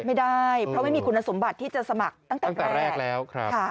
ไม่ได้เพราะไม่มีคุณสมบัติที่จะสมัครตั้งแต่แรกแล้วครับ